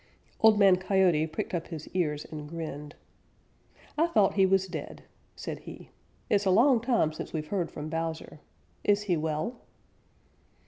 Old Man Coyote pricked up his ears and grinned. "I thought he was dead," said he. "It's a long time since we've heard from Bowser. Is he well?"